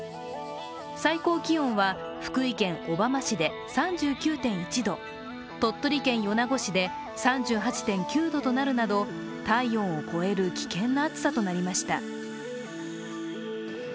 最高気温は福井県小浜市で３９．１度、鳥取県米子市で３８．９度となるなど、体温を超える、危険な暑さとなりました。